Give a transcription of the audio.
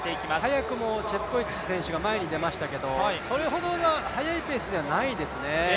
早くもチェプコエチ選手が前に出ましたけど、それほど速いペースではないですね。